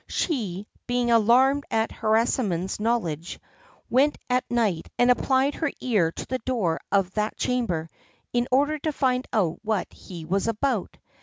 She, being alarmed at Harisarman's knowledge, went at night and applied her ear to the door of that chamber in order to find out what he was about.